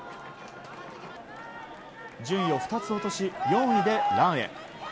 順位を２つ落とし、４位でランへ。